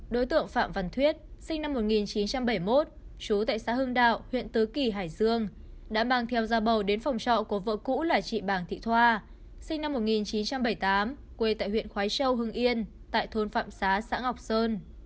đối tượng phạm văn thuyết sinh năm một nghìn chín trăm bảy mươi một chú tại xã hưng đạo huyện tứ kỳ hải dương đã mang theo ra bầu đến phòng trọ của vợ cũ là chị bàng thị thoa sinh năm một nghìn chín trăm bảy mươi tám quê tại huyện khói châu hưng yên tại thôn phạm xá xã ngọc sơn